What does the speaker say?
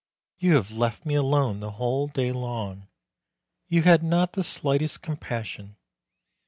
You have left me alone the whole day long. You had not the slightest compassion.